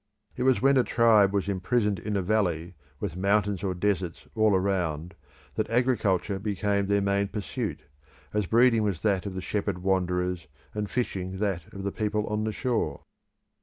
It was when a tribe was imprisoned in a valley with mountains or deserts all around that agriculture became their main pursuit, as breeding was that of the shepherd wanderers, and fishing that of the people on the shore.